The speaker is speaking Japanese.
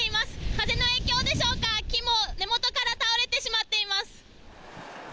風の影響でしょうか、木も根元から倒れてしまっています。